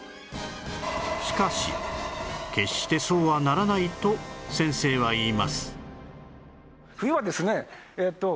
しかし決してそうはならないと先生は言います